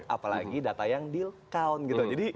apalagi data yang deal cow